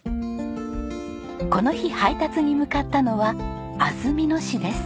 この日配達に向かったのは安曇野市です。